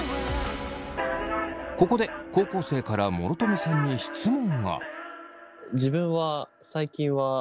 ここで高校生から諸富さんに質問が。